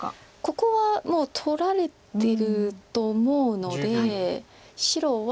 ここはもう取られていると思うので白は。